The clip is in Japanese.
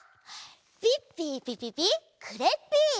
ピッピーピピピクレッピー！